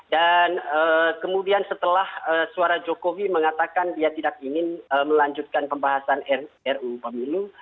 dan kemudian setelah suara jokowi mengatakan dia tidak ingin melanjutkan pembahasan ru pemilu